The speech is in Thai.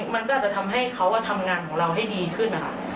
มันก็อาจจะทำให้เขาทำงานของเราให้ดีขึ้นนะคะ